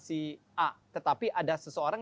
si a tetapi ada seseorang